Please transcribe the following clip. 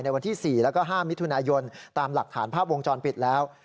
วันที่๔แล้วก็๕มิถุนายนตามหลักฐานภาพวงจรปิดแล้ว